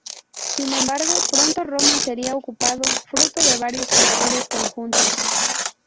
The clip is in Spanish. Sin embargo, pronto Roma sería ocupado, fruto de varios factores conjuntos.